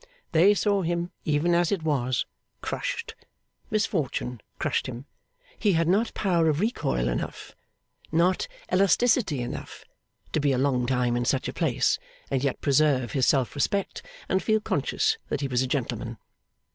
They saw him, even as it was, crushed. Misfortune crushed him. He had not power of recoil enough, not elasticity enough, to be a long time in such a place, and yet preserve his self respect and feel conscious that he was a gentleman.